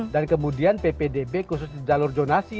dan kemudian ppdb khusus jalur donasi